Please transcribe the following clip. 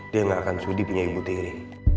dia gak akan sudi punya ibu tiri